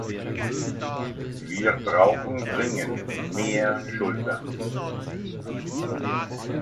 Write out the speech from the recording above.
Wir brauchen dringend mehr Schultern.